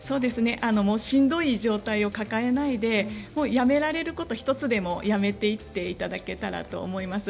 しんどい状態を抱えないでやめられることは１つでもやめていっていただけたらなと思います。